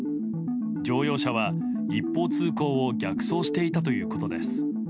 乗用車は一方通行を逆走していたということです。